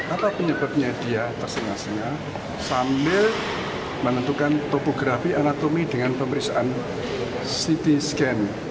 apa penyebabnya dia tersengah sengah sambil menentukan topografi anatomi dengan pemeriksaan ct scan